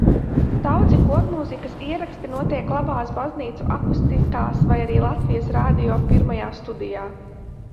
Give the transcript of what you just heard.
Daudzi kormūzikas ieraksti notiek labās baznīcu akustikās vai arī Latvijas Radio pirmajā studijā.